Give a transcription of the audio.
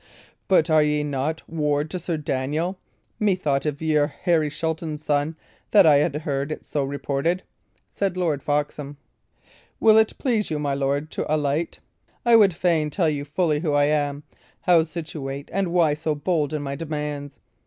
"But are ye not ward to Sir Daniel? Methought, if y' are Harry Shelton's son, that I had heard it so reported," said Lord Foxham. "Will it please you, my lord, to alight? I would fain tell you fully who I am, how situate, and why so bold in my demands.